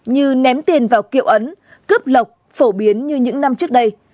như ném tiền vào kiệu ấn cướp lộc phổ biến như những năm trước đây